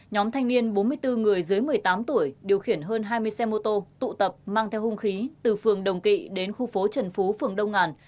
nhóm thanh niên bốn mươi bốn người dưới một mươi tám tuổi điều khiển hơn hai mươi xe mô tô tụ tập mang theo hung khí từ phường đồng kỵ đến khu phố trần phú phường đông ngàn